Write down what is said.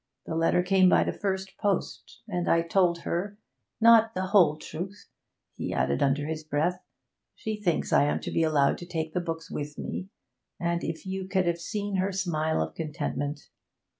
The letter came by the first post, and I told her not the whole truth,' he added, under his breath. 'She thinks I am to be allowed to take the books with me; and if you could have seen her smile of contentment.